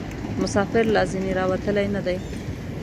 مسافر لا ځني راوتلي نه دي.